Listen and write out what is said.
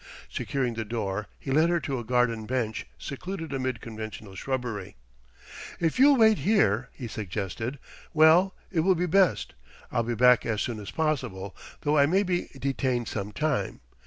Securing the door, he led her to a garden bench secluded amid conventional shrubbery. "If you'll wait here," he suggested "well, it will be best. I'll be back as soon as possible, though I may be detained some time.